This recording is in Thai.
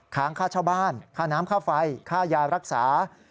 ค้างค่าเช่าบ้านค่าน้ำค่าไฟค่ายารักษา